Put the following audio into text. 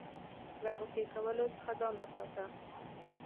له غوسې کولو څخه ځان وساته .